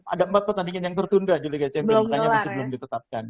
ada empat pertandingan yang tertunda di liga champion makanya masih belum ditetapkan